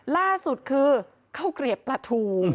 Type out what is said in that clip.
ล่าสุดคือเก้าเกรียดประถู